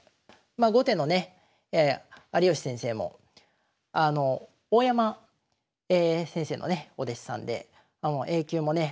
まあ後手のね有吉先生も大山先生のねお弟子さんでＡ級もね